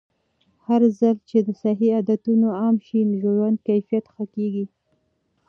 هرځل چې صحي عادتونه عام شي، د ژوند کیفیت ښه کېږي.